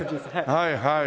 はいはい。